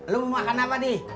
lu mau makan apa nih